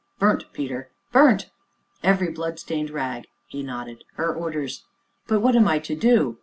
"Burnt, Peter." "Burnt?" "Every blood stained rag!" he nodded; "her orders." "But what am I to do?"